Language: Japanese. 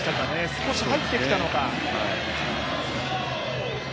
少し入ってきたのか。